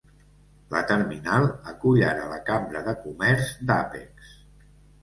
La terminal acull ara la Cambra de comerç d"Apex.